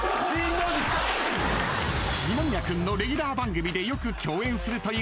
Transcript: ［二宮君のレギュラー番組でよく共演するという］